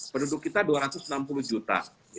penduduk kita dua ratus enam puluh juta